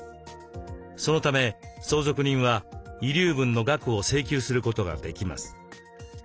そのため相続人は遺留分の額を請求することができます。